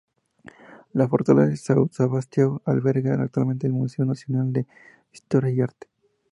La fortaleza de São Sebastião alberga actualmente el Museo nacional de Historia y Arte.